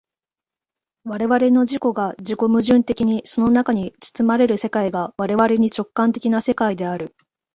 我々の自己が自己矛盾的にその中に包まれる世界が我々に直観的な世界である。